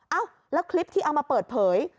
เอ้าแล้วคลิปที่เอามาเปิดเผย